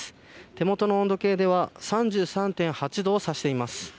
手元の温度計では３３．８度を差しています。